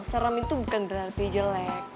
seram itu bukan berarti jelek